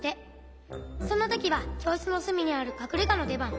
そんなときはきょうしつのすみにあるかくれがのでばん。